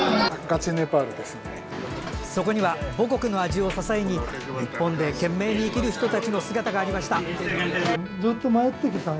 そこには母国の味を支えに日本で懸命に生きる人たちの姿がありました。